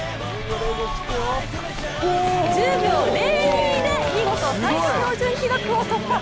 １０秒０２で見事参加標準記録を突破。